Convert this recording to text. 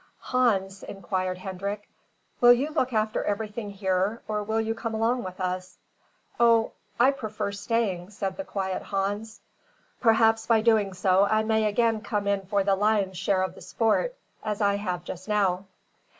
"Hans," inquired Hendrik, "will you look after everything here, or will you come along with us?" "O, I prefer staying," said the quiet Hans. "Perhaps by doing so I may again come in for the lion's share of the sport, as I have just now."